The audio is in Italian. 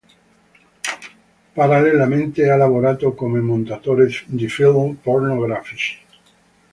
Parallelamente ha lavorato come montatore di film pornografici.